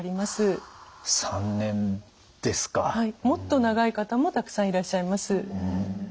もっと長い方もたくさんいらっしゃいます。